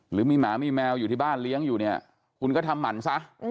หรือมีหมามีแมวอยู่ที่บ้านเลี้ยงอยู่เนี่ยคุณก็ทำหมันซะ